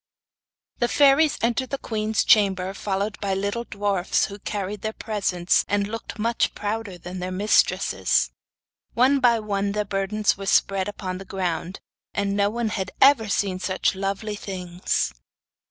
The fairies entered the queen's chamber followed by little dwarfs who carried their presents and looked much prouder than their mistresses. One by one their burdens were spread upon the ground, and no one had ever seen such lovely things.